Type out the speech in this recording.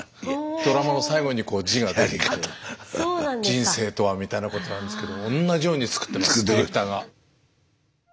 ドラマの最後に字が出る「人生とは」みたいなことなんですけど同じように作ってますディレクターが。